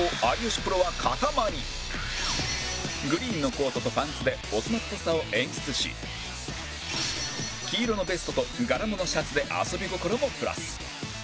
グリーンのコートとパンツで大人っぽさを演出し黄色のベストと柄物シャツで遊び心もプラス